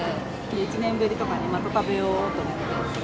１年ぶりとかにまた食べようと思って。